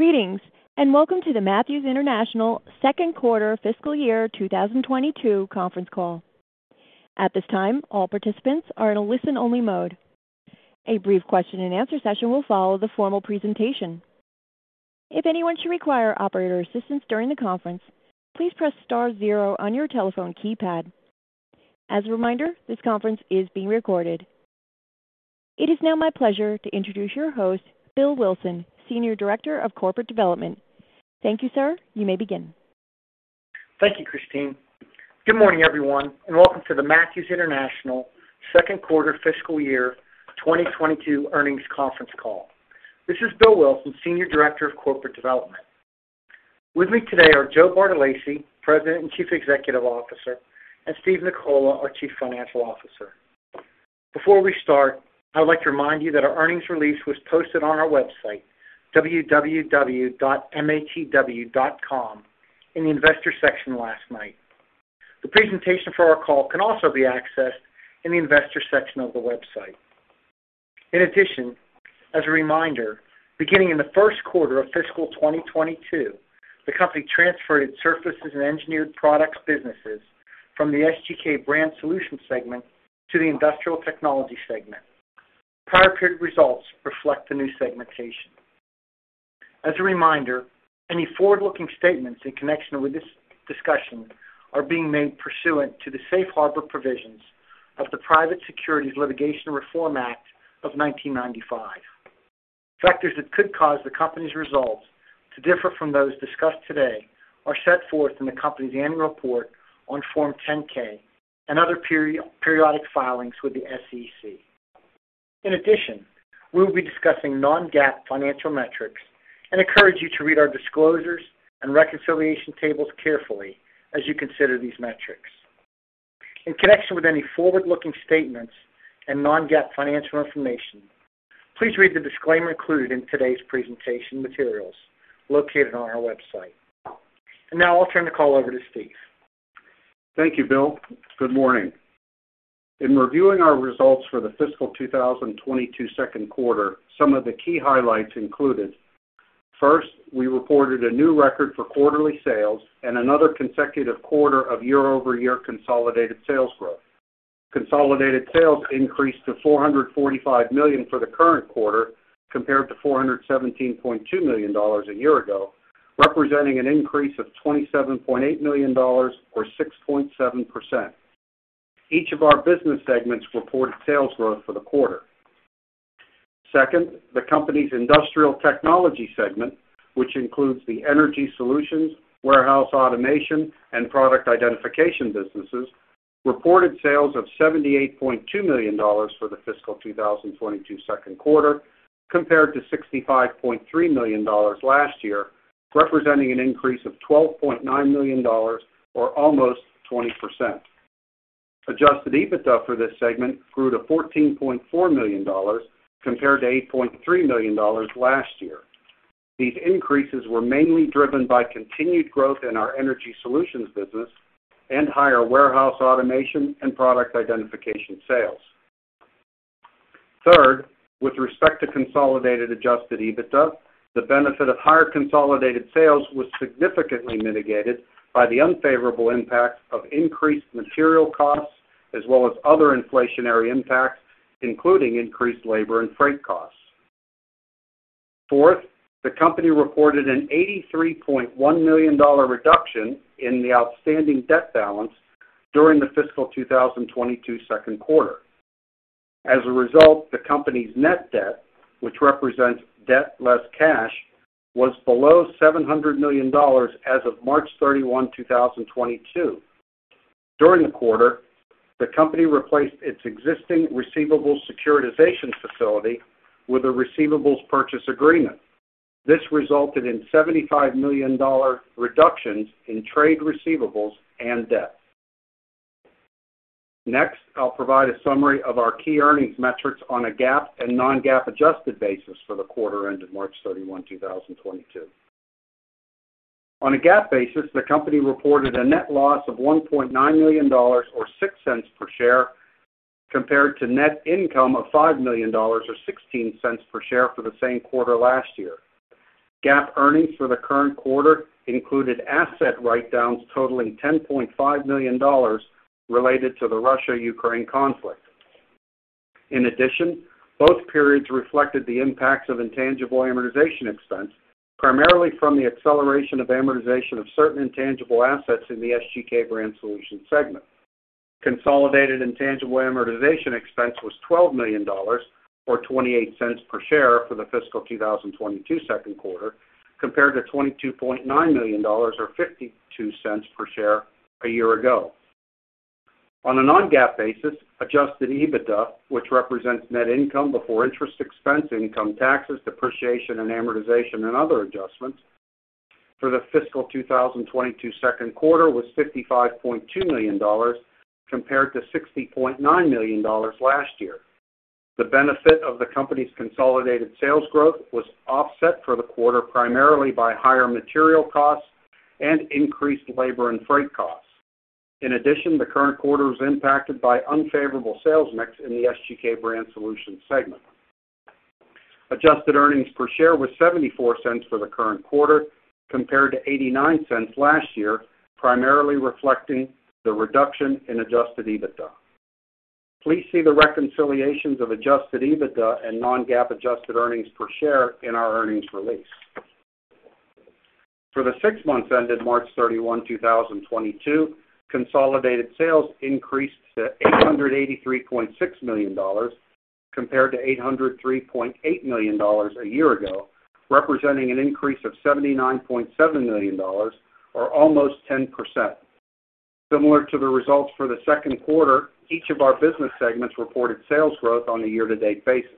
Greetings, and welcome to the Matthews International second quarter fiscal year 2022 conference call. At this time, all participants are in a listen-only mode. A brief question-and-answer session will follow the formal presentation. If anyone should require operator assistance during the conference, please press star zero on your telephone keypad. As a reminder, this conference is being recorded. It is now my pleasure to introduce your host, Bill Wilson, Senior Director of Corporate Development. Thank you, sir. You may begin. Thank you, Christine. Good morning, everyone, and welcome to the Matthews International second quarter fiscal year 2022 earnings conference call. This is Bill Wilson, Senior Director of Corporate Development. With me today are Joe Bartolacci, President and Chief Executive Officer, and Steve Nicola, our Chief Financial Officer. Before we start, I'd like to remind you that our earnings release was posted on our website, www.matw.com, in the investor section last night. The presentation for our call can also be accessed in the investor section of the website. In addition, as a reminder, beginning in the first quarter of fiscal 2022, the company transferred its surfaces and engineered products businesses from the SGK Brand Solutions segment to the Industrial Technologies segment. Prior period results reflect the new segmentation. As a reminder, any forward-looking statements in connection with this discussion are being made pursuant to the safe harbor provisions of the Private Securities Litigation Reform Act of 1995. Factors that could cause the company's results to differ from those discussed today are set forth in the company's annual report on Form 10-K and other periodic filings with the SEC. In addition, we will be discussing non-GAAP financial metrics and encourage you to read our disclosures and reconciliation tables carefully as you consider these metrics. In connection with any forward-looking statements and non-GAAP financial information, please read the disclaimer included in today's presentation materials located on our website. Now I'll turn the call over to Steve. Thank you, Bill. Good morning. In reviewing our results for the fiscal 2022 second quarter, some of the key highlights included. First, we reported a new record for quarterly sales and another consecutive quarter of year-over-year consolidated sales growth. Consolidated sales increased to $445 million for the current quarter compared to $417.2 million a year ago, representing an increase of $27.8 million or 6.7%. Each of our business segments reported sales growth for the quarter. Second, the company's Industrial Technologies segment, which includes the energy solutions, warehouse automation, and product identification businesses, reported sales of $78.2 million for the fiscal 2022 second quarter compared to $65.3 million last year, representing an increase of $12.9 million or almost 20%. Adjusted EBITDA for this segment grew to $14.4 million compared to $8.3 million last year. These increases were mainly driven by continued growth in our energy solutions business and higher warehouse automation and product identification sales. Third, with respect to consolidated adjusted EBITDA, the benefit of higher consolidated sales was significantly mitigated by the unfavorable impact of increased material costs as well as other inflationary impacts, including increased labor and freight costs. Fourth, the company reported an $83.1 million reduction in the outstanding debt balance during the fiscal 2022 second quarter. As a result, the company's net debt, which represents debt less cash, was below $700 million as of March 31, 2022. During the quarter, the company replaced its existing receivables securitization facility with a receivables purchase agreement. This resulted in $75 million reductions in trade receivables and debt. Next, I'll provide a summary of our key earnings metrics on a GAAP and non-GAAP adjusted basis for the quarter ended March 31, 2022. On a GAAP basis, the company reported a net loss of $1.9 million or $0.06 per share compared to net income of $5 million or $0.16 per share for the same quarter last year. GAAP earnings for the current quarter included asset write-downs totaling $10.5 million related to the Russia-Ukraine conflict. In addition, both periods reflected the impacts of intangible amortization expense, primarily from the acceleration of amortization of certain intangible assets in the SGK Brand Solutions segment. Consolidated intangible amortization expense was $12 million or $0.28 per share for the fiscal 2022 second quarter compared to $22.9 million or $0.52 per share a year ago. On a non-GAAP basis, adjusted EBITDA, which represents net income before interest expense, income taxes, depreciation and amortization and other adjustments for the fiscal 2022 second quarter was $55.2 million compared to $60.9 million last year. The benefit of the company's consolidated sales growth was offset for the quarter primarily by higher material costs and increased labor and freight costs. In addition, the current quarter was impacted by unfavorable sales mix in the SGK Brand Solutions segment. Adjusted earnings per share was $0.74 for the current quarter compared to $0.89 last year, primarily reflecting the reduction in adjusted EBITDA. Please see the reconciliations of adjusted EBITDA and non-GAAP adjusted earnings per share in our earnings release. For the six months ended March 31, 2022, consolidated sales increased to $883.6 million compared to $803.8 million a year ago, representing an increase of $79.7 million or almost 10%. Similar to the results for the second quarter, each of our business segments reported sales growth on a year-to-date basis.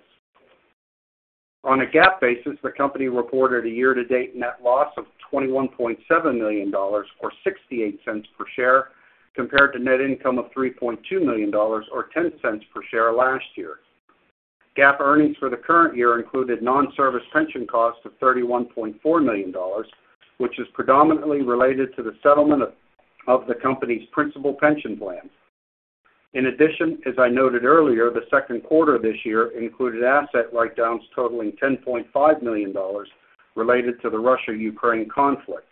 On a GAAP basis, the company reported a year-to-date net loss of $21.7 million or $0.68 per share compared to net income of $3.2 million or $0.10 per share last year. GAAP earnings for the current year included non-service pension costs of $31.4 million, which is predominantly related to the settlement of the company's principal pension plan. In addition, as I noted earlier, the second quarter this year included asset write-downs totaling $10.5 million related to the Russia-Ukraine conflict.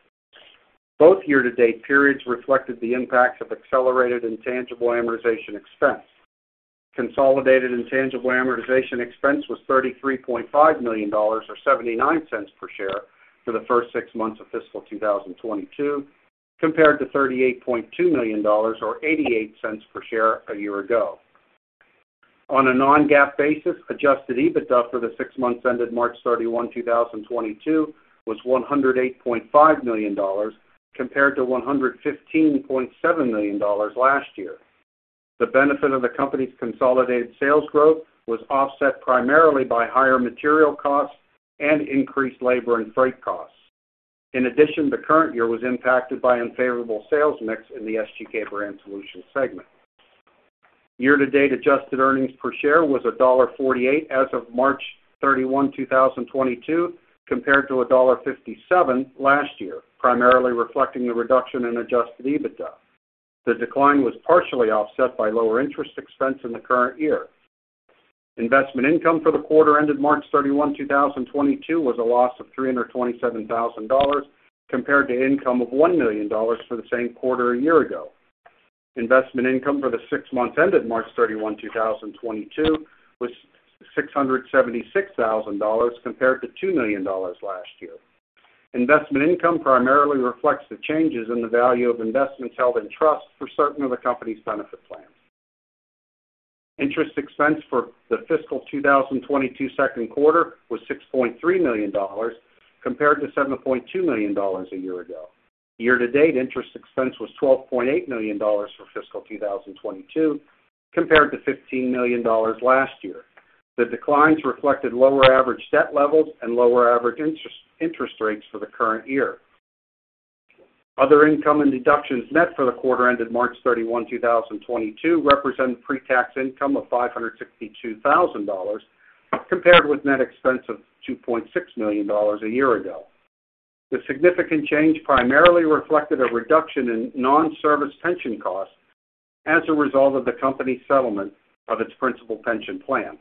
Both year-to-date periods reflected the impacts of accelerated intangible amortization expense. Consolidated intangible amortization expense was $33.5 million or $0.79 per share for the first six months of fiscal 2022 compared to $38.2 million or $0.88 per share a year ago. On a non-GAAP basis, adjusted EBITDA for the six months ended March 31, 2022 was $108.5 million compared to $115.7 million last year. The benefit of the company's consolidated sales growth was offset primarily by higher material costs and increased labor and freight costs. In addition, the current year was impacted by unfavorable sales mix in the SGK Brand Solutions segment. Year-to-date adjusted earnings per share was $1.48 as of March 31, 2022 compared to $1.57 last year, primarily reflecting the reduction in adjusted EBITDA. The decline was partially offset by lower interest expense in the current year. Investment income for the quarter ended March 31, 2022 was a loss of $327,000 compared to income of $1 million for the same quarter a year ago. Investment income for the six months ended March 31, 2022 was $676,000 compared to $2 million last year. Investment income primarily reflects the changes in the value of investments held in trust for certain of the company's benefit plans. Interest expense for the fiscal 2022 second quarter was $6.3 million compared to $7.2 million a year ago. Year-to-date interest expense was $12.8 million for fiscal 2022 compared to $15 million last year. The declines reflected lower average debt levels and lower average interest rates for the current year. Other income and deductions net for the quarter ended March 31, 2022 represented pre-tax income of $562 thousand compared with net expense of $2.6 million a year ago. The significant change primarily reflected a reduction in non-service pension costs as a result of the company's settlement of its principal pension plan.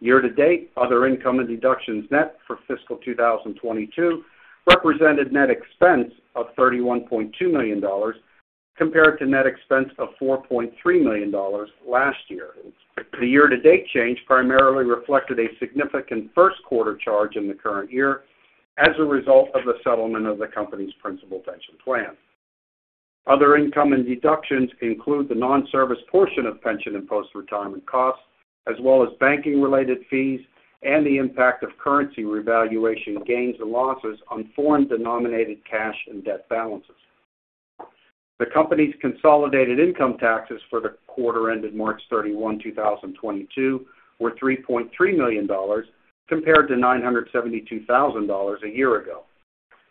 Year-to-date, other income and deductions net for fiscal 2022 represented net expense of $31.2 million compared to net expense of $4.3 million last year. The year-to-date change primarily reflected a significant first quarter charge in the current year as a result of the settlement of the company's principal pension plan. Other income and deductions include the non-service portion of pension and post-retirement costs, as well as banking-related fees and the impact of currency revaluation gains or losses on foreign-denominated cash and debt balances. The company's consolidated income taxes for the quarter ended March 31, 2022 were $3.3 million compared to $972,000 a year ago.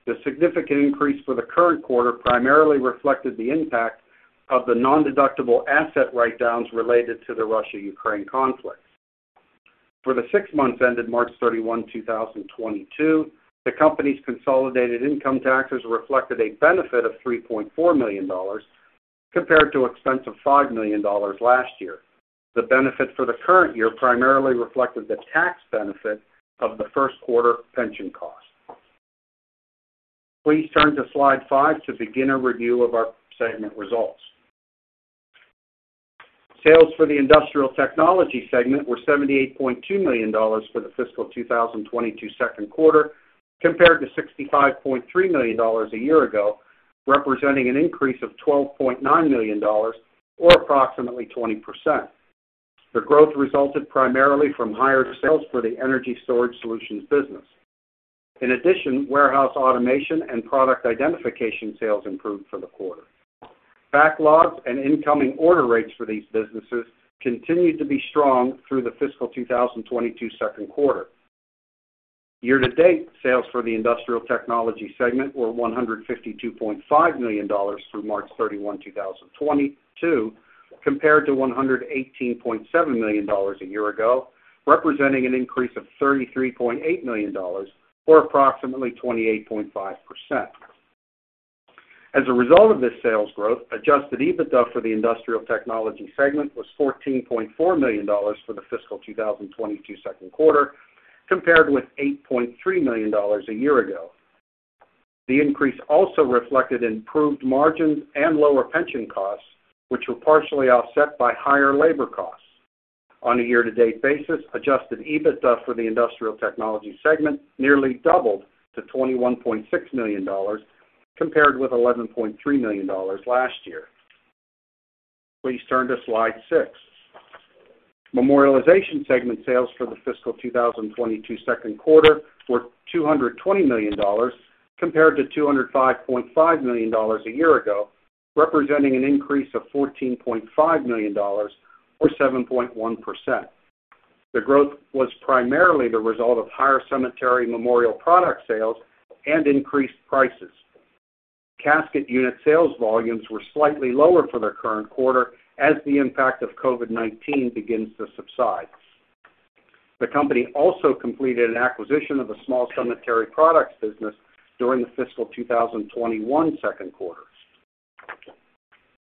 The significant increase for the current quarter primarily reflected the impact of the non-deductible asset write-downs related to the Russia-Ukraine conflict. For the six months ended March 31, 2022, the company's consolidated income taxes reflected a benefit of $3.4 million compared to expense of $5 million last year. The benefit for the current year primarily reflected the tax benefit of the first quarter pension cost. Please turn to slide five to begin a review of our segment results. Sales for the Industrial Technologies segment were $78.2 million for the fiscal 2022 second quarter compared to $65.3 million a year ago, representing an increase of $12.9 million or approximately 20%. The growth resulted primarily from higher sales for the Energy Storage Solutions business. In addition, Warehouse Automation and Product Identification sales improved for the quarter. Backlogs and incoming order rates for these businesses continued to be strong through the fiscal 2022 second quarter. Year-to-date sales for the Industrial Technologies segment were $152.5 million through March 31, 2022. Compared to $118.7 million a year ago, representing an increase of $33.8 million, or approximately 28.5%. As a result of this sales growth, adjusted EBITDA for the Industrial Technologies segment was $14.4 million for the fiscal 2022 second quarter, compared with $8.3 million a year ago. The increase also reflected improved margins and lower pension costs, which were partially offset by higher labor costs. On a year-to-date basis, adjusted EBITDA for the Industrial Technologies segment nearly doubled to $21.6 million, compared with $11.3 million last year. Please turn to slide six. Memorialization segment sales for the fiscal 2022 second quarter were $220 million, compared to $205.5 million a year ago, representing an increase of $14.5 million or 7.1%. The growth was primarily the result of higher cemetery memorial products sales and increased prices. Casket unit sales volumes were slightly lower for the current quarter as the impact of COVID-19 begins to subside. The company also completed an acquisition of a small cemetery products business during the fiscal 2021 second quarter.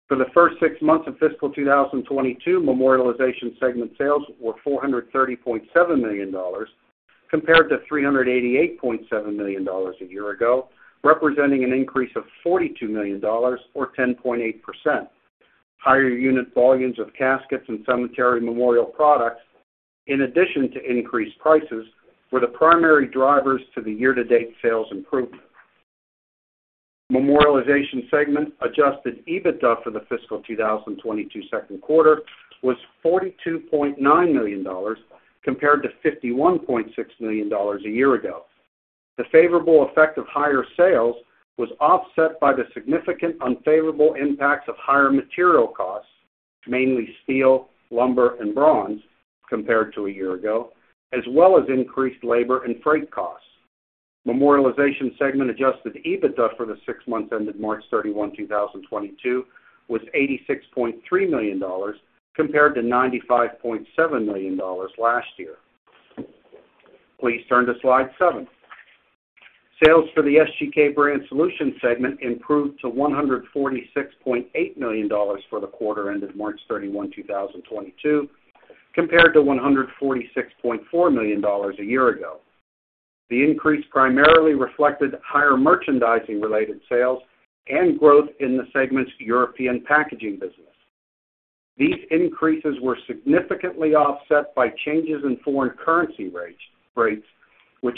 For the first six months of fiscal 2022, Memorialization segment sales were $430.7 million, compared to $388.7 million a year ago, representing an increase of $42 million or 10.8%. Higher unit volumes of caskets and cemetery memorial products, in addition to increased prices, were the primary drivers to the year-to-date sales improvement. Memorialization segment adjusted EBITDA for the fiscal 2022 second quarter was $42.9 million, compared to $51.6 million a year ago. The favorable effect of higher sales was offset by the significant unfavorable impacts of higher material costs, mainly steel, lumber, and bronze, compared to a year ago, as well as increased labor and freight costs. Memorialization segment adjusted EBITDA for the six months ended March 31, 2022 was $86.3 million, compared to $95.7 million last year. Please turn to slide seven. Sales for the SGK Brand Solutions segment improved to $146.8 million for the quarter ended March 31, 2022, compared to $146.4 million a year ago. The increase primarily reflected higher merchandising-related sales and growth in the segment's European packaging business. These increases were significantly offset by changes in foreign currency rates, which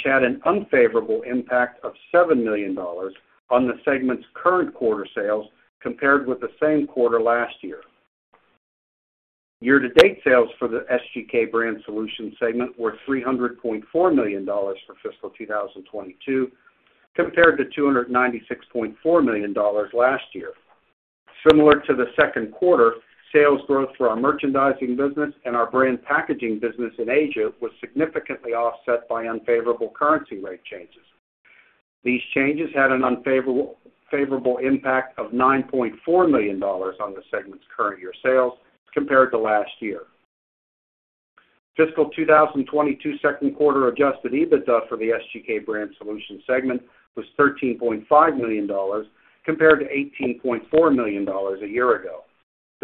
had an unfavorable impact of $7 million on the segment's current quarter sales compared with the same quarter last year. Year-to-date sales for the SGK Brand Solutions segment were $300.4 million for fiscal 2022, compared to $296.4 million last year. Similar to the second quarter, sales growth for our merchandising business and our brand packaging business in Asia was significantly offset by unfavorable currency rate changes. These changes had a favorable impact of $9.4 million on the segment's current year sales compared to last year. Fiscal 2022 second quarter adjusted EBITDA for the SGK Brand Solutions segment was $13.5 million, compared to $18.4 million a year ago.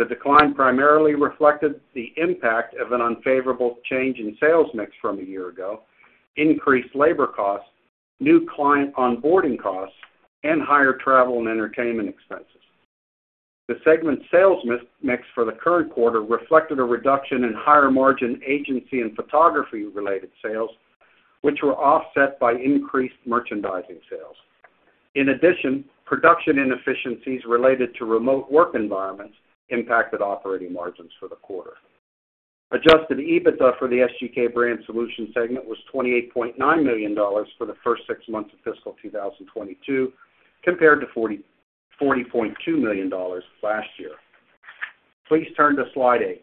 The decline primarily reflected the impact of an unfavorable change in sales mix from a year ago, increased labor costs, new client onboarding costs, and higher travel and entertainment expenses. The segment sales mix for the current quarter reflected a reduction in higher margin agency and photography-related sales, which were offset by increased merchandising sales. In addition, production inefficiencies related to remote work environments impacted operating margins for the quarter. Adjusted EBITDA for the SGK Brand Solutions segment was $28.9 million for the first six months of fiscal 2022, compared to $40.2 million last year. Please turn to slide eight.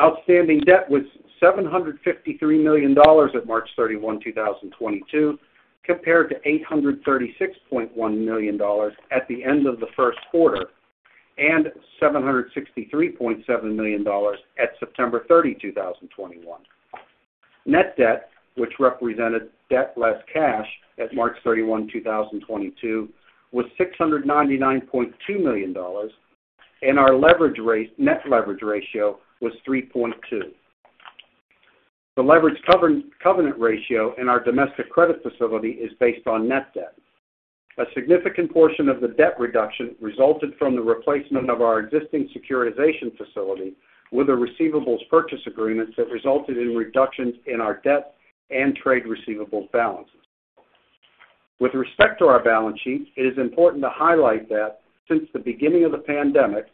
Outstanding debt was $753 million at March 31, 2022, compared to $836.1 million at the end of the first quarter, and $763.7 million at September 30, 2021. Net debt, which represented debt less cash at March 31, 2022, was $699.2 million, and our net leverage ratio was 3.2. The leverage covenant ratio in our domestic credit facility is based on net debt. A significant portion of the debt reduction resulted from the replacement of our existing securitization facility with the receivables purchase agreements that resulted in reductions in our debt and trade receivables balances. With respect to our balance sheet, it is important to highlight that since the beginning of the pandemic,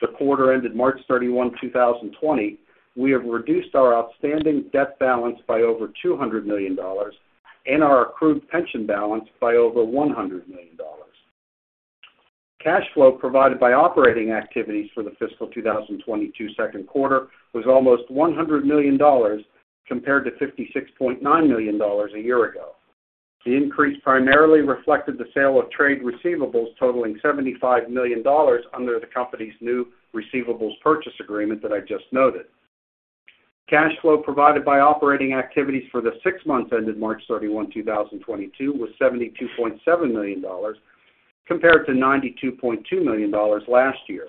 the quarter ended March 31, 2020, we have reduced our outstanding debt balance by over $200 million and our accrued pension balance by over $100 million. Cash flow provided by operating activities for the fiscal 2022 second quarter was almost $100 million, compared to $56.9 million a year ago. The increase primarily reflected the sale of trade receivables totaling $75 million under the company's new receivables purchase agreement that I just noted. Cash flow provided by operating activities for the six months ended March 31, 2022 was $72.7 million compared to $92.2 million last year.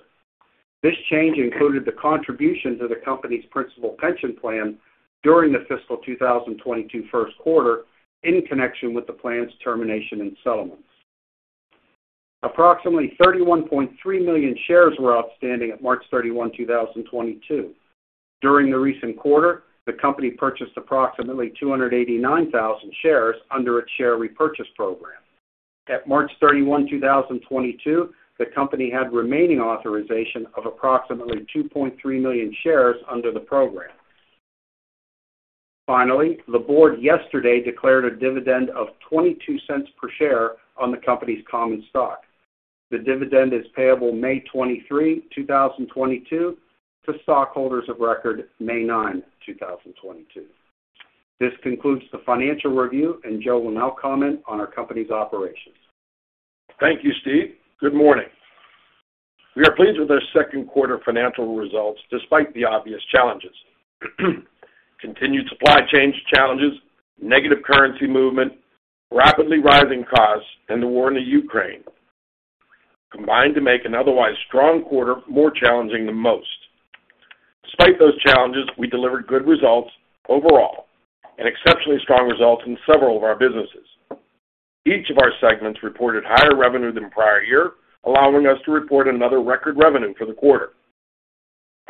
This change included the contribution to the company's principal pension plan during the fiscal 2022 first quarter in connection with the plan's termination and settlement. Approximately 31.3 million shares were outstanding at March 31, 2022. During the recent quarter, the company purchased approximately 289,000 shares under its share repurchase program. At March 31, 2022, the company had remaining authorization of approximately 2.3 million shares under the program. Finally, the board yesterday declared a dividend of $0.22 per share on the company's common stock. The dividend is payable May 23, 2022 to stockholders of record May 9, 2022. This concludes the financial review, and Joe will now comment on our company's operations. Thank you, Steve. Good morning. We are pleased with our second quarter financial results despite the obvious challenges. Continued supply chain challenges, negative currency movement, rapidly rising costs, and the war in Ukraine combined to make an otherwise strong quarter more challenging than most. Despite those challenges, we delivered good results overall and exceptionally strong results in several of our businesses. Each of our segments reported higher revenue than prior year, allowing us to report another record revenue for the quarter.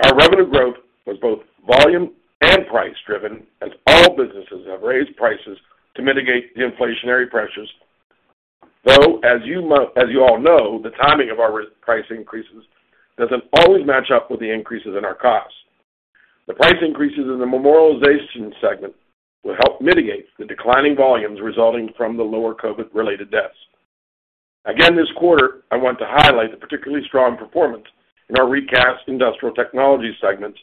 Our revenue growth was both volume and price-driven, as all businesses have raised prices to mitigate the inflationary pressures. Though, as you all know, the timing of our price increases doesn't always match up with the increases in our costs. The price increases in the Memorialization segment will help mitigate the declining volumes resulting from the lower COVID-related deaths. Again, this quarter, I want to highlight the particularly strong performance in our recast Industrial Technologies segment,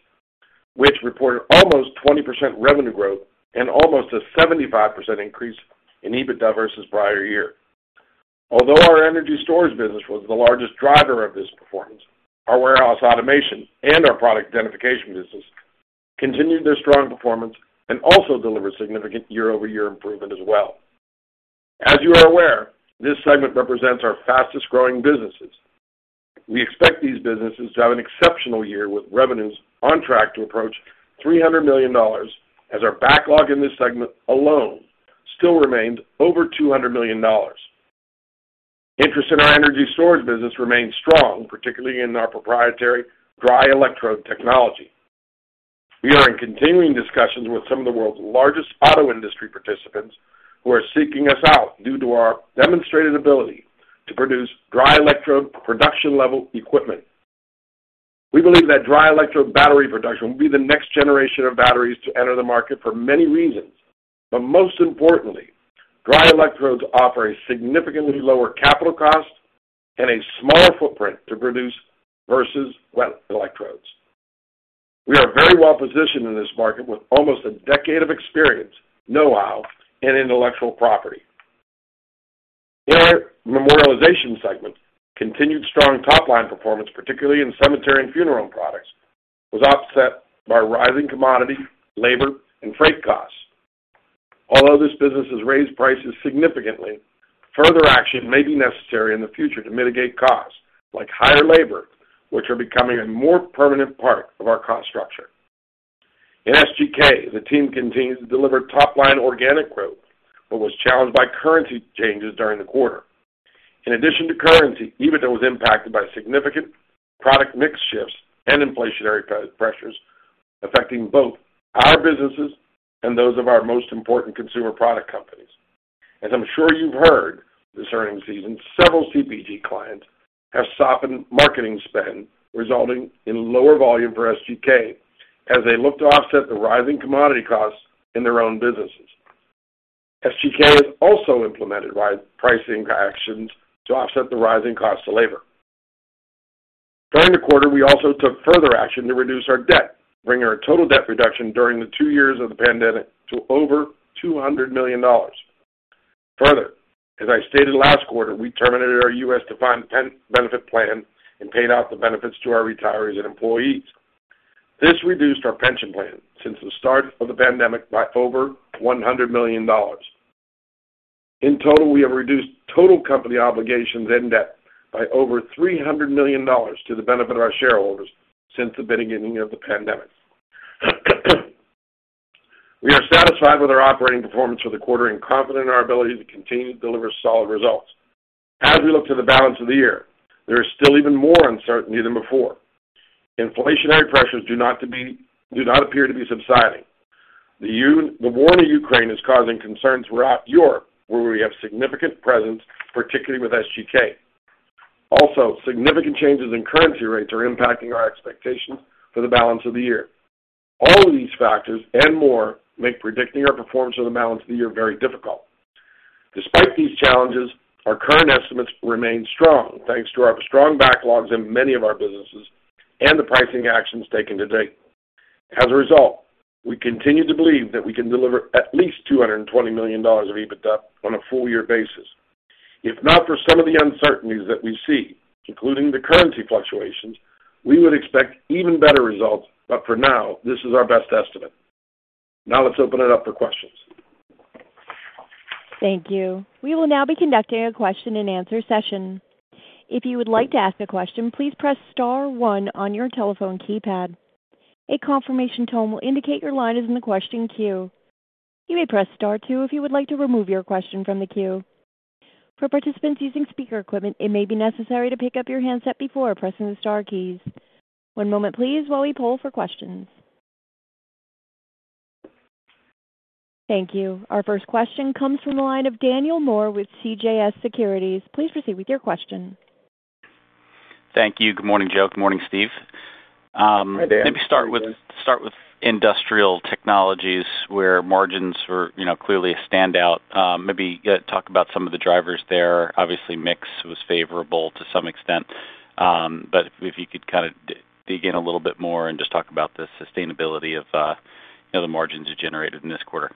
which reported almost 20% revenue growth and almost a 75% increase in EBITDA versus prior year. Although our energy storage business was the largest driver of this performance, our warehouse automation and our product identification business continued their strong performance and also delivered significant year-over-year improvement as well. As you are aware, this segment represents our fastest-growing businesses. We expect these businesses to have an exceptional year with revenues on track to approach $300 million as our backlog in this segment alone still remains over $200 million. Interest in our energy storage business remains strong, particularly in our proprietary dry electrode technology. We are in continuing discussions with some of the world's largest auto industry participants who are seeking us out due to our demonstrated ability to produce dry electrode production-level equipment. We believe that dry electrode battery production will be the next generation of batteries to enter the market for many reasons. Most importantly, dry electrodes offer a significantly lower capital cost and a smaller footprint to produce versus wet electrodes. We are very well-positioned in this market with almost a decade of experience, know-how, and intellectual property. Our Memorialization segment continued strong top-line performance, particularly in cemetery and funeral products. This was offset by rising commodity, labor, and freight costs. Although this business has raised prices significantly, further action may be necessary in the future to mitigate costs like higher labor, which are becoming a more permanent part of our cost structure. In SGK, the team continues to deliver top-line organic growth, but was challenged by currency changes during the quarter. In addition to currency, EBITDA was impacted by significant product mix shifts and inflationary pressures affecting both our businesses and those of our most important consumer product companies. As I'm sure you've heard this earnings season, several CPG clients have softened marketing spend, resulting in lower volume for SGK as they look to offset the rising commodity costs in their own businesses. SGK has also implemented wide pricing actions to offset the rising cost of labor. During the quarter, we also took further action to reduce our debt, bringing our total debt reduction during the two years of the pandemic to over $200 million. Further, as I stated last quarter, we terminated our U.S. defined benefit plan and paid out the benefits to our retirees and employees. This reduced our pension plan since the start of the pandemic by over $100 million. In total, we have reduced total company obligations and debt by over $300 million to the benefit of our shareholders since the beginning of the pandemic. We are satisfied with our operating performance for the quarter and confident in our ability to continue to deliver solid results. As we look to the balance of the year, there is still even more uncertainty than before. Inflationary pressures do not appear to be subsiding. The war in Ukraine is causing concerns throughout Europe, where we have significant presence, particularly with SGK. Also, significant changes in currency rates are impacting our expectations for the balance of the year. All of these factors and more make predicting our performance for the balance of the year very difficult. Despite these challenges, our current estimates remain strong, thanks to our strong backlogs in many of our businesses and the pricing actions taken to date. As a result, we continue to believe that we can deliver at least $220 million of EBITDA on a full year basis. If not for some of the uncertainties that we see, including the currency fluctuations, we would expect even better results. For now, this is our best estimate. Now let's open it up for questions. Thank you. We will now be conducting a question-and-answer session. If you would like to ask a question, please press star one on your telephone keypad. A confirmation tone will indicate your line is in the question queue. You may press star two if you would like to remove your question from the queue. For participants using speaker equipment, it may be necessary to pick up your handset before pressing the star keys. One moment, please, while we poll for questions. Thank you. Our first question comes from the line of Daniel Moore with CJS Securities. Please proceed with your question. Thank you. Good morning, Joe. Good morning, Steve. Hi, Daniel. Let me start with Industrial Technologies where margins were clearly a standout. Maybe, yeah, talk about some of the drivers there. Obviously, mix was favorable to some extent, but if you could kind of dig in a little bit more and just talk about the sustainability of the margins you generated in this quarter.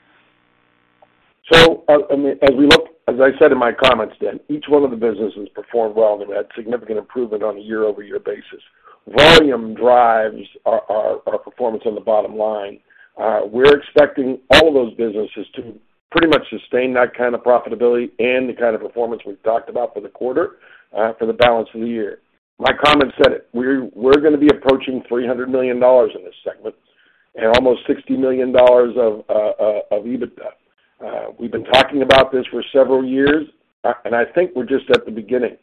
I mean, as I said in my comments, Dan, each one of the businesses performed well and had significant improvement on a year-over-year basis. Volume drives our performance on the bottom line. We're expecting all of those businesses to pretty much sustain that kind of profitability and the kind of performance we've talked about for the quarter, for the balance of the year. My comment said it. We're gonna be approaching $300 million in this segment and almost $60 million of EBITDA. We've been talking about this for several years, and I think we're just at the beginning.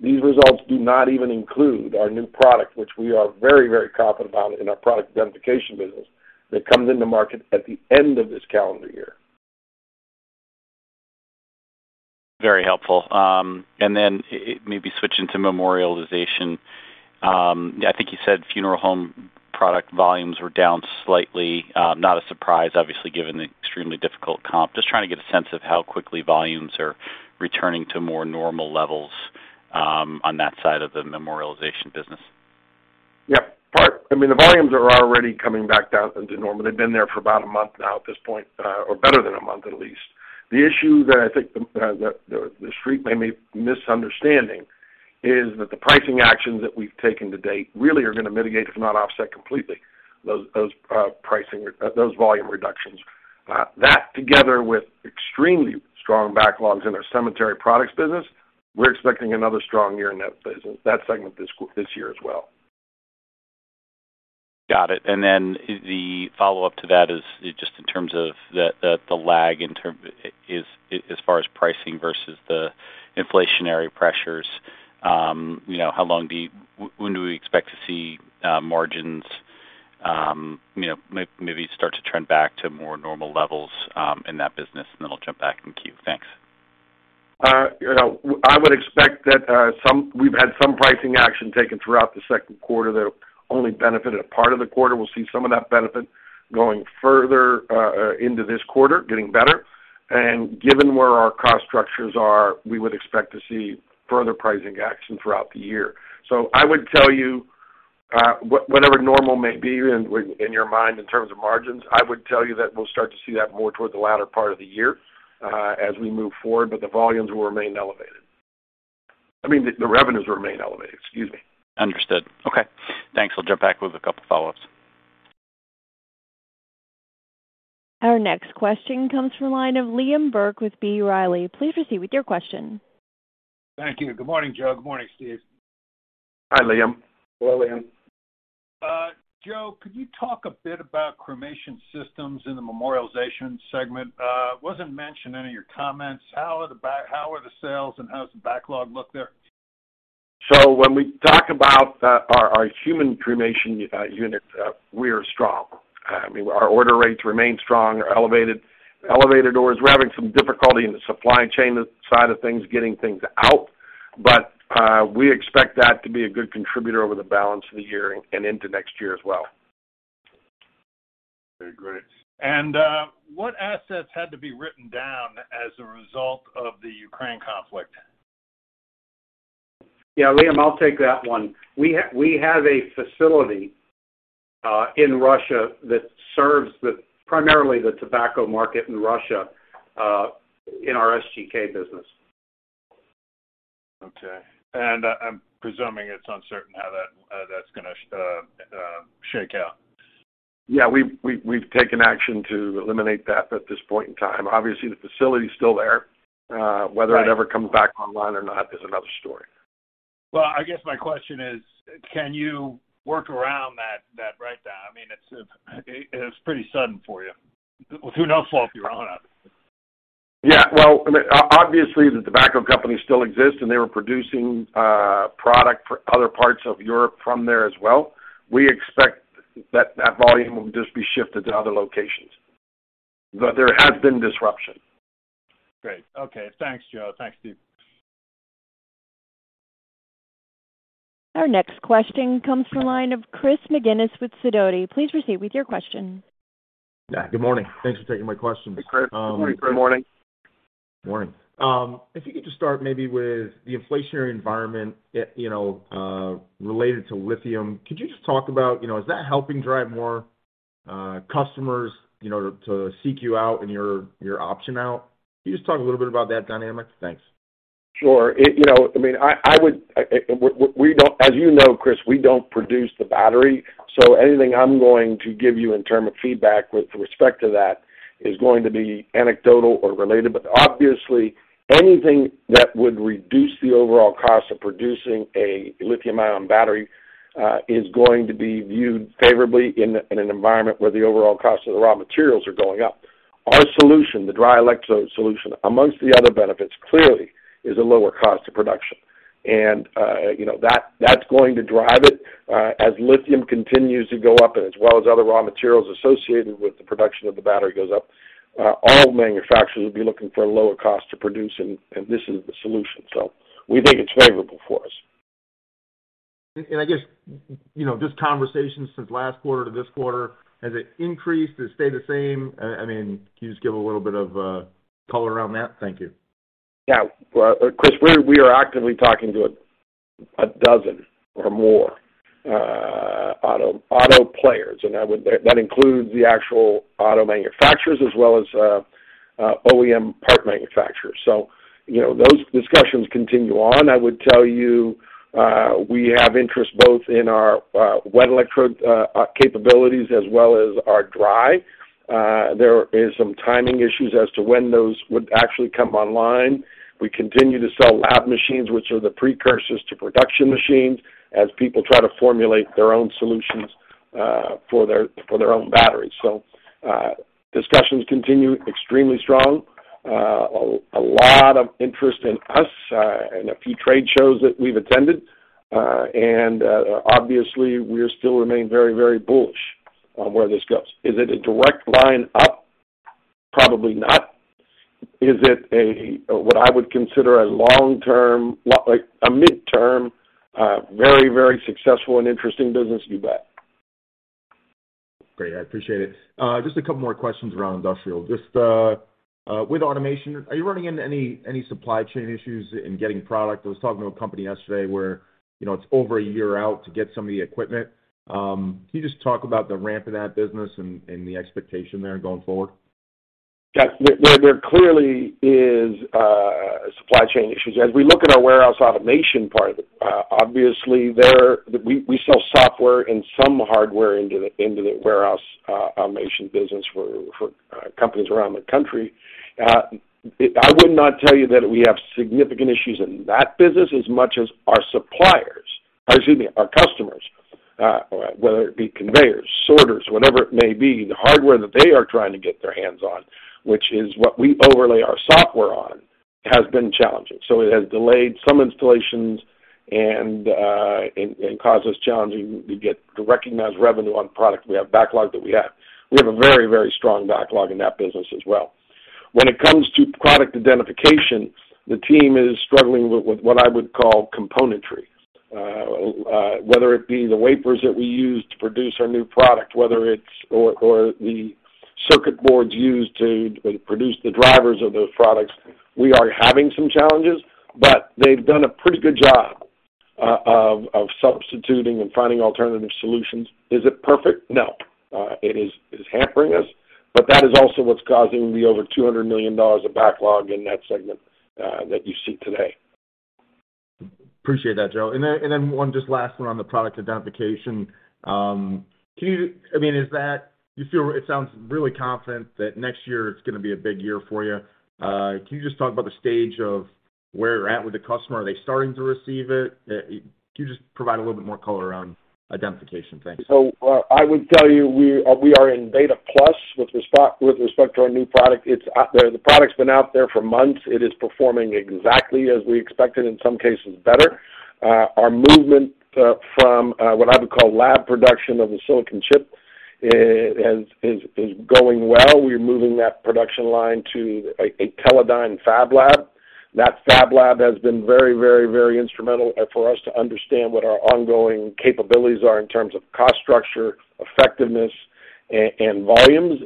These results do not even include our new product, which we are very, very confident about in our product identification business that comes into market at the end of this calendar year. Very helpful. Maybe switching to Memorialization. I think you said funeral home product volumes were down slightly. Not a surprise, obviously, given the extremely difficult comp. Just trying to get a sense of how quickly volumes are returning to more normal levels on that side of the Memorialization business. Yeah. I mean, the volumes are already coming back down into normal. They've been there for about a month now at this point, or better than a month, at least. The issue that I think the Street may be misunderstanding is that the pricing actions that we've taken to date really are gonna mitigate, if not offset completely, those volume reductions. That together with extremely strong backlogs in our cemetery products business, we're expecting another strong year in that business, that segment this year as well. Got it. The follow-up to that is just in terms of the lag as far as pricing versus the inflationary pressures, you know, how long, when do we expect to see margins, you know, maybe start to trend back to more normal levels, in that business? I'll jump back in the queue. Thanks. You know, I would expect that we've had some pricing action taken throughout the second quarter that only benefited a part of the quarter. We'll see some of that benefit going further into this quarter, getting better. Given where our cost structures are, we would expect to see further pricing action throughout the year. I would tell you, whatever normal may be in your mind, in terms of margins, I would tell you that we'll start to see that more toward the latter part of the year as we move forward, but the volumes will remain elevated. I mean, the revenues remain elevated. Excuse me. Understood. Okay. Thanks. I'll jump back with a couple follow-ups. Our next question comes from the line of Liam Burke with B. Riley. Please proceed with your question. Thank you. Good morning, Joe. Good morning, Steve. Hi, Liam. Hello, Liam. Joe, could you talk a bit about cremation systems in the memorialization segment? It wasn't mentioned in any of your comments. How are the sales and how's the backlog look there? When we talk about our human cremation unit, we are strong. I mean, our order rates remain strong or elevated. Elevated orders, we're having some difficulty in the supply chain side of things, getting things out, but we expect that to be a good contributor over the balance of the year and into next year as well. Very great. What assets had to be written down as a result of the Ukraine conflict? Yeah, Liam, I'll take that one. We have a facility in Russia that serves primarily the tobacco market in Russia in our SGK business. Okay. I'm presuming it's uncertain how that's gonna shake out. Yeah. We've taken action to eliminate that at this point in time. Obviously, the facility is still there. Right. Whether it ever comes back online or not is another story. Well, I guess my question is, can you work around that breakdown? I mean, it was pretty sudden for you. With who knows what going on. Yeah. Well, I mean, obviously, the tobacco company still exists, and they were producing product for other parts of Europe from there as well. We expect that volume will just be shifted to other locations. There has been disruption. Great. Okay. Thanks, Joe. Thanks, Steve. Our next question comes from the line of Chris McGinnis with Sidoti. Please proceed with your question. Yeah. Good morning. Thanks for taking my questions. Hey, Chris McGinnis. Good morning. Good morning. Morning. If you could just start maybe with the inflationary environment, it, you know, related to lithium. Could you just talk about, you know, is that helping drive more, customers, you know, to seek you out and your option out? Can you just talk a little bit about that dynamic? Thanks. Sure. You know, I mean, as you know, Chris, we don't produce the battery, so anything I'm going to give you in terms of feedback with respect to that is going to be anecdotal or relayed. But obviously, anything that would reduce the overall cost of producing a lithium-ion battery is going to be viewed favorably in an environment where the overall cost of the raw materials are going up. Our solution, the dry electrode solution, among the other benefits, clearly is a lower cost to production. You know, that's going to drive it, as lithium continues to go up and as well as other raw materials associated with the production of the battery goes up. All manufacturers will be looking for a lower cost to produce, and this is the solution. We think it's favorable for us. I guess, you know, just conversations since last quarter to this quarter, has it increased? Has it stayed the same? I mean, can you just give a little bit of color around that? Thank you. Yeah. Chris, we are actively talking to a dozen or more auto players, and that includes the actual auto manufacturers as well as OEM part manufacturers. You know, those discussions continue on. I would tell you, we have interest both in our wet electrode capabilities as well as our dry. There is some timing issues as to when those would actually come online. We continue to sell lab machines, which are the precursors to production machines, as people try to formulate their own solutions for their own batteries. Discussions continue extremely strong. A lot of interest in us in a few trade shows that we've attended. Obviously, we still remain very, very bullish on where this goes. Is it a direct line up? Probably not. Is it a, what I would consider a long-term, like a mid-term, very, very successful and interesting business? You bet. Great. I appreciate it. Just a couple more questions around industrial. Just with automation, are you running into any supply chain issues in getting product? I was talking to a company yesterday where, you know, it's over a year out to get some of the equipment. Can you just talk about the ramp of that business and the expectation there going forward? Yeah. There clearly is supply chain issues. As we look at our warehouse automation part of it, obviously, we sell software and some hardware into the warehouse automation business for companies around the country. I would not tell you that we have significant issues in that business as much as our suppliers, or excuse me, our customers, whether it be conveyors, sorters, whatever it may be, the hardware that they are trying to get their hands on, which is what we overlay our software on, has been challenging. So it has delayed some installations and caused us challenges to recognize revenue on product. We have backlog. We have a very strong backlog in that business as well. When it comes to product identification, the team is struggling with what I would call componentry, whether it be the wafers that we use to produce our new product, or the circuit boards used to produce the drivers of those products. We are having some challenges, but they've done a pretty good job of substituting and finding alternative solutions. Is it perfect? No. It is hampering us, but that is also what's causing the over $200 million of backlog in that segment that you see today. Appreciate that, Joe. One, just last one on the product identification. I mean, is that you feel it sounds really confident that next year it's gonna be a big year for you. Can you just talk about the stage of where you're at with the customer? Are they starting to receive it? Can you just provide a little bit more color around identification? Thanks. I would tell you, we are in beta plus with respect to our new product. It's out there. The product's been out there for months. It is performing exactly as we expected, in some cases better. Our movement from what I would call lab production of the silicon chip is going well. We're moving that production line to a Teledyne fab lab. That fab lab has been very instrumental for us to understand what our ongoing capabilities are in terms of cost structure, effectiveness, and volumes.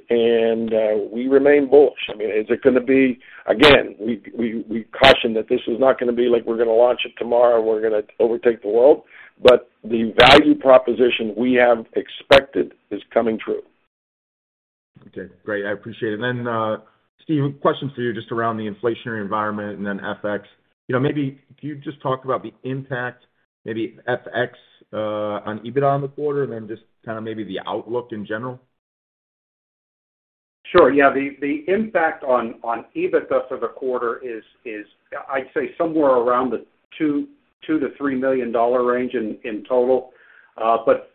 We remain bullish. I mean, is it gonna be. Again, we caution that this is not gonna be like we're gonna launch it tomorrow, we're gonna overtake the world. The value proposition we have expected is coming true. Okay. Great. I appreciate it. Steve, question for you just around the inflationary environment and then FX. You know, maybe can you just talk about the impact, maybe FX, on EBITDA on the quarter and then just kind of maybe the outlook in general? Sure. Yeah. The impact on EBITDA for the quarter is I'd say somewhere around the $2-$3 million range in total.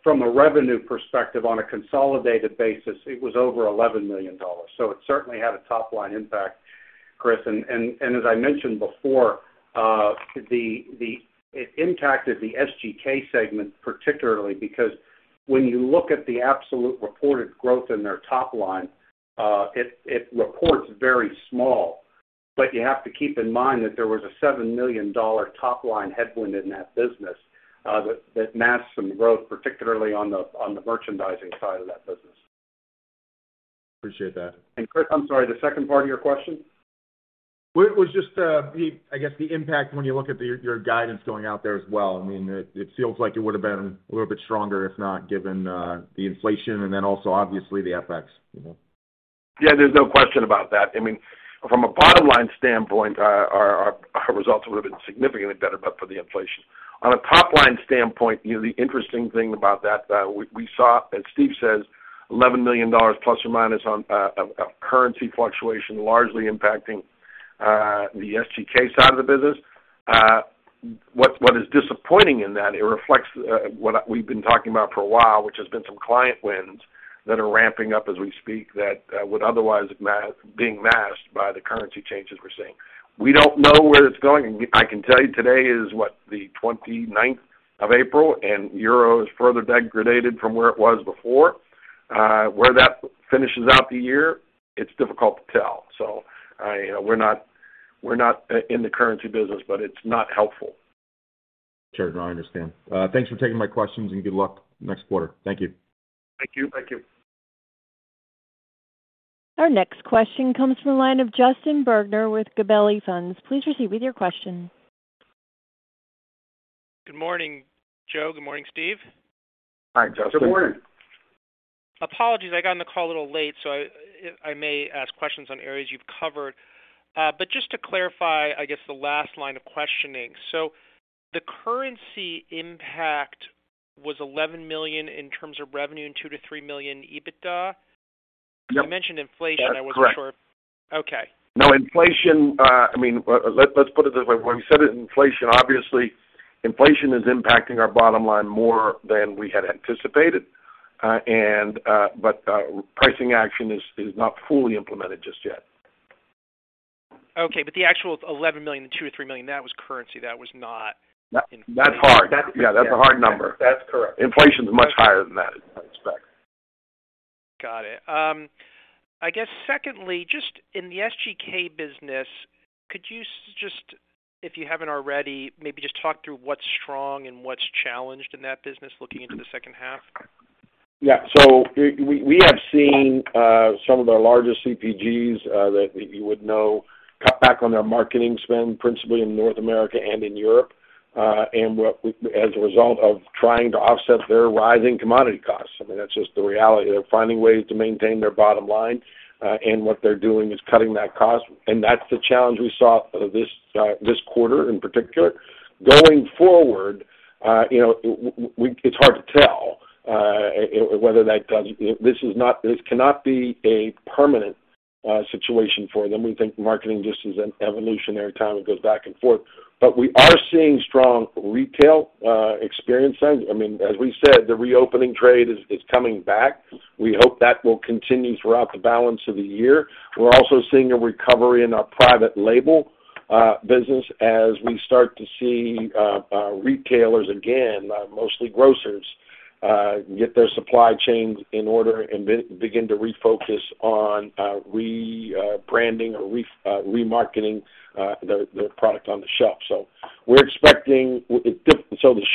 From a revenue perspective, on a consolidated basis, it was over $11 million. It certainly had a top-line impact, Chris. As I mentioned before, it impacted the SGK segment, particularly because when you look at the absolute reported growth in their top line, it reports very small. You have to keep in mind that there was a $7 million top line headwind in that business that masked some growth, particularly on the merchandising side of that business. Appreciate that. Chris, I'm sorry, the second part of your question? Well, it was just, the, I guess, the impact when you look at your guidance going out there as well. I mean, it feels like it would have been a little bit stronger if not given, the inflation and then also obviously the FX, you know. Yeah, there's no question about that. I mean, from a bottom-line standpoint, our results would have been significantly better, but for the inflation. On a top-line standpoint, you know, the interesting thing about that, we saw, as Steve says, $11 million plus or minus on a currency fluctuation largely impacting the SGK side of the business. What is disappointing in that it reflects what we've been talking about for a while, which has been some client wins that are ramping up as we speak, that would otherwise being masked by the currency changes we're seeing. We don't know where it's going, and I can tell you today is the April 29th and euro is further degraded from where it was before. Where that finishes out the year, it's difficult to tell. We're not in the currency business, but it's not helpful. Sure. No, I understand. Thanks for taking my questions, and good luck next quarter. Thank you. Thank you. Our next question comes from the line of Justin Bergner with Gabelli Funds. Please proceed with your question. Good morning, Joe. Good morning, Steve. Hi, Justin. Good morning. Apologies, I got on the call a little late, so I may ask questions on areas you've covered. But just to clarify, I guess the last line of questioning. The currency impact was $11 million in terms of revenue and $2 million-3 million EBITDA. Yep. You mentioned inflation. Yeah. Correct. I wasn't sure. Okay. No inflation. I mean, let's put it this way. When we said it, inflation obviously is impacting our bottom line more than we had anticipated. Pricing action is not fully implemented just yet. Okay. The actual $11 million to $2 or $3 million, that was currency. That was not inflation. That's hard. Yeah, that's a hard number. That's correct. Inflation is much higher than that, I expect. Got it. I guess secondly, just in the SGK business, could you just, if you haven't already, maybe just talk through what's strong and what's challenged in that business looking into the second half? Yeah. We have seen some of our largest CPGs that you would know cut back on their marketing spend, principally in North America and in Europe, as a result of trying to offset their rising commodity costs. I mean, that's just the reality. They're finding ways to maintain their bottom line, and what they're doing is cutting that cost. That's the challenge we saw this quarter in particular. Going forward, you know, it's hard to tell whether that does. This cannot be a permanent situation for them. We think marketing just is an evolutionary time. It goes back and forth. We are seeing strong retail expansion then. I mean, as we said, the reopening trade is coming back. We hope that will continue throughout the balance of the year. We're also seeing a recovery in our private label business as we start to see retailers, again, mostly grocers, get their supply chains in order and begin to refocus on rebranding or remarketing their product on the shelf. The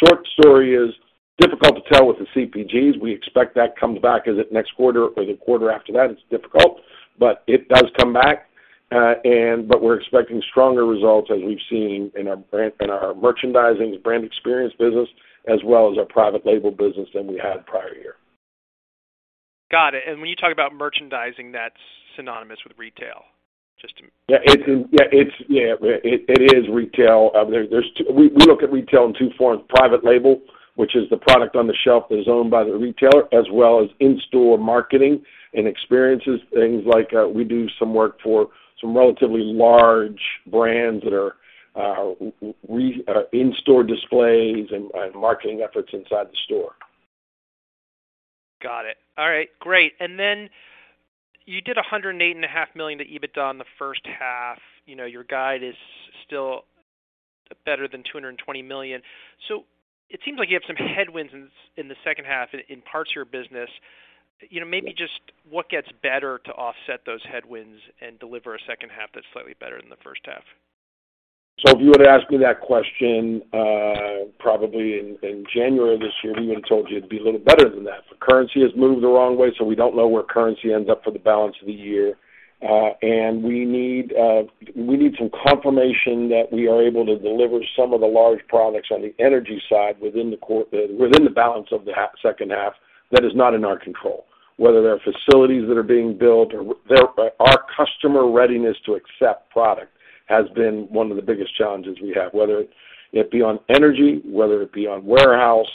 short story is difficult to tell with the CPGs. We expect that comes back as of next quarter or the quarter after that. It's difficult, but it does come back. We're expecting stronger results as we've seen in our merchandising brand experience business, as well as our private label business than we had prior year. Got it. When you talk about merchandising, that's synonymous with retail, just to. Yeah, it's retail. We look at retail in two forms: private label, which is the product on the shelf that is owned by the retailer, as well as in-store marketing and experiences, things like we do some work for some relatively large brands that are in-store displays and marketing efforts inside the store. Got it. All right, great. Then you did $108.5 million in EBITDA in the first half. You know, your guide is still better than $220 million. It seems like you have some headwinds in the second half in parts of your business. You know, maybe just what gets better to offset those headwinds and deliver a second half that's slightly better than the first half? If you were to ask me that question, probably in January of this year, we would've told you it'd be a little better than that. The currency has moved the wrong way, so we don't know where currency ends up for the balance of the year. We need some confirmation that we are able to deliver some of the large products on the energy side within the balance of the second half that is not in our control. Whether they're facilities that are being built or our customer readiness to accept product has been one of the biggest challenges we have. Whether it be on energy, whether it be on warehouse,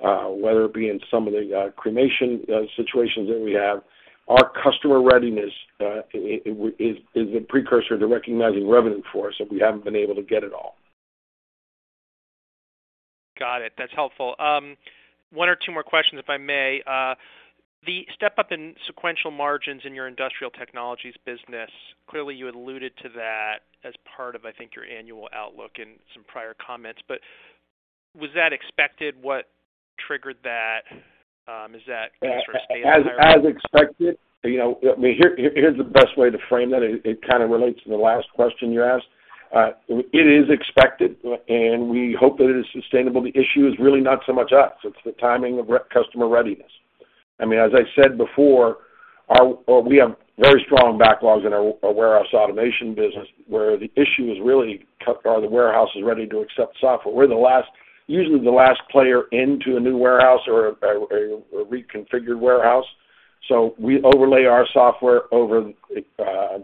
whether it be in some of the cremation situations that we have, our customer readiness is a precursor to recognizing revenue for us if we haven't been able to get it all. Got it. That's helpful. One or two more questions, if I may. The step-up in sequential margins in your Industrial Technologies business, clearly, you alluded to that as part of, I think, your annual outlook in some prior comments. Was that expected? What triggered that? Is that interest rate environment? As expected. You know, I mean, here's the best way to frame that. It kinda relates to the last question you asked. It is expected, and we hope that it is sustainable. The issue is really not so much us, it's the timing of customer readiness. I mean, as I said before, well, we have very strong backlogs in our warehouse automation business where the issue is really, are the warehouses ready to accept software. We're the last, usually the last player into a new warehouse or a reconfigured warehouse. We overlay our software over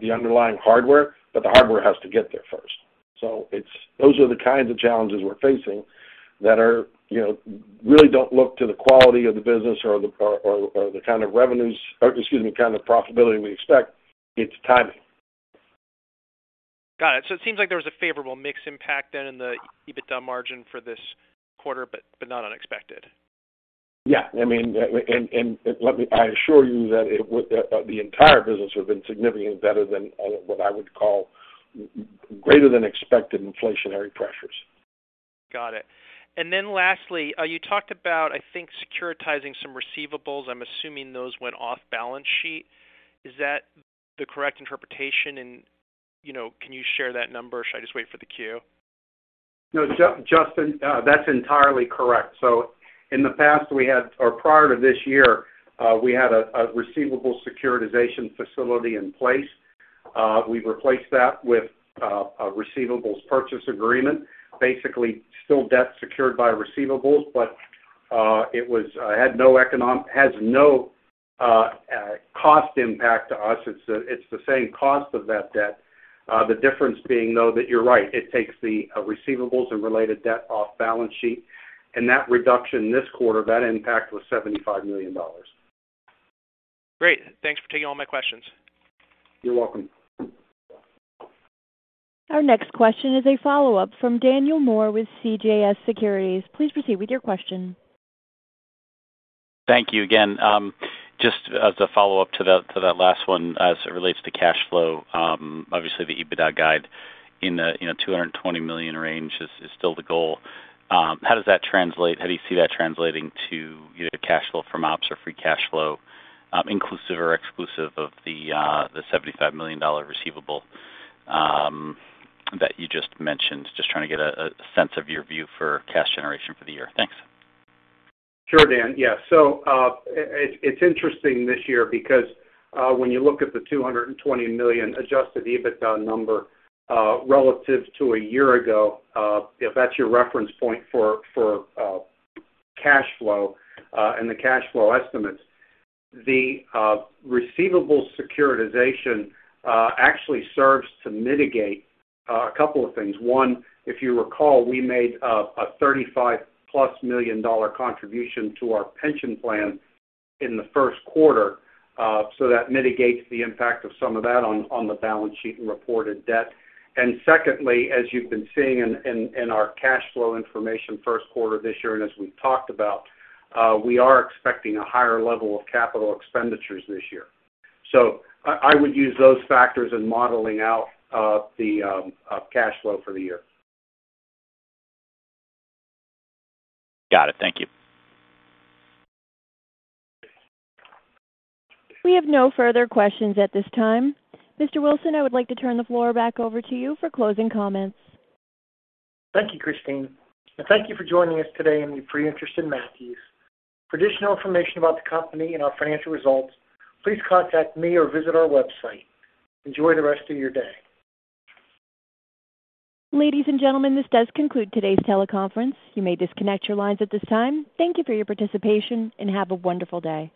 the underlying hardware, but the hardware has to get there first. Those are the kinds of challenges we're facing that are, you know, really don't speak to the quality of the business or the kind of revenues. Excuse me, the kind of profitability we expect. It's timing. Got it. It seems like there was a favorable mix impact then in the EBITDA margin for this quarter, but not unexpected. Yeah. I mean, let me assure you that the entire business have been significantly better than what I would call greater than expected inflationary pressures. Got it. Lastly, you talked about, I think, securitizing some receivables. I'm assuming those went off balance sheet. Is that the correct interpretation? You know, can you share that number or should I just wait for the Q? No, Justin, that's entirely correct. Prior to this year, we had a receivables securitization facility in place. We've replaced that with a receivables purchase agreement. Basically, still debt secured by receivables, but it has no cost impact to us. It's the same cost of that debt. The difference being though that you're right, it takes the receivables and related debt off balance sheet. That reduction this quarter, that impact was $75 million. Great. Thanks for taking all my questions. You're welcome. Our next question is a follow-up from Daniel Moore with CJS Securities. Please proceed with your question. Thank you again. Just as a follow-up to that last one as it relates to cash flow, obviously the EBITDA guide in the, you know, $200 million range is still the goal. How does that translate? How do you see that translating to either cash flow from ops or free cash flow, inclusive or exclusive of the $75 million dollar receivable that you just mentioned? Just trying to get a sense of your view for cash generation for the year. Thanks. Sure, Dan. Yeah. It's interesting this year because when you look at the $220 million adjusted EBITDA number relative to a year ago, if that's your reference point for cash flow and the cash flow estimates, the receivables securitization actually serves to mitigate a couple of things. One, if you recall, we made a $35+ million contribution to our pension plan in the first quarter, so that mitigates the impact of some of that on the balance sheet and reported debt. Secondly, as you've been seeing in our cash flow information first quarter this year, and as we've talked about, we are expecting a higher level of capital expenditures this year. I would use those factors in modeling out the cash flow for the year. Got it. Thank you. We have no further questions at this time. Mr. Wilson, I would like to turn the floor back over to you for closing comments. Thank you, Christine. Thank you for joining us today and your pre-interest in Matthews. For additional information about the company and our financial results, please contact me or visit our website. Enjoy the rest of your day. Ladies and gentlemen, this does conclude today's teleconference. You may disconnect your lines at this time. Thank you for your participation, and have a wonderful day.